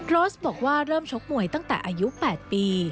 โรสบอกว่าเริ่มชกมวยตั้งแต่อายุ๘ปี